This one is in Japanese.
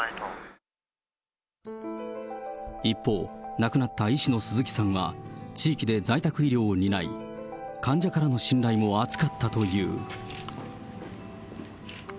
一方、亡くなった医師の鈴木さんは、地域で在宅医療を担い、患者からの信頼も厚かったという。